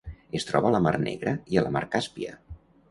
Es troba a la Mar Negra i a la Mar Càspia.